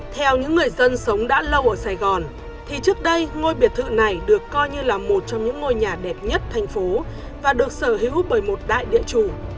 theo những người dân sống đã lâu ở sài gòn thì trước đây ngôi biệt thự này được coi như là một trong những ngôi nhà đẹp nhất thành phố và được sở hữu bởi một đại địa chủ